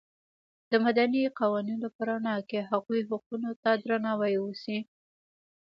د مدني قوانینو په رڼا کې هغوی حقونو ته درناوی وشي.